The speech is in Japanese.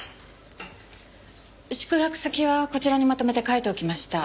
宿泊先はこちらにまとめて書いておきました。